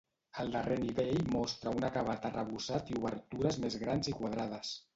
El darrer nivell mostra un acabat arrebossat i obertures més grans i quadrades.